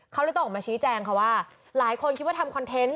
เขาเลยต้องออกมาชี้แจงค่ะว่าหลายคนคิดว่าทำคอนเทนต์